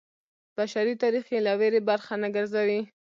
بشري تاریخ یې له ویرې برخه نه ګرځوي.